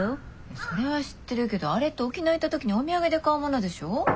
それは知ってるけどあれって沖縄行った時にお土産で買うものでしょ。